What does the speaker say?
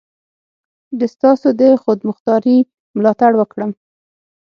د ستاسو د خودمختاري ملاتړ وکړم.